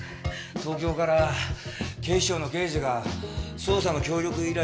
東京から警視庁の刑事が捜査の協力依頼に来るらしくてな。